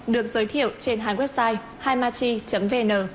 được giới thiệu trên hai website himachi vn